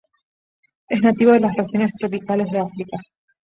Es nativo de las regiones tropicales de África.